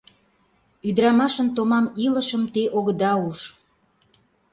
Ӱдырамашын томам илышым те огыда уж.